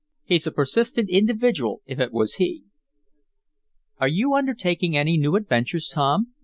He's a persistent individual if it was he." "Are you undertaking any new adventures, Tom?"